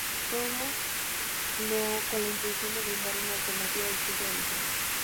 Todo con la intención de brindar una alternativa distinta en la ciudad.